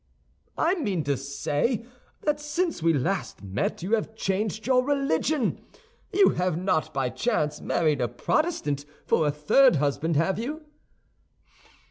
"I mean to say that since we last met you have changed your religion. You have not by chance married a Protestant for a third husband, have you?"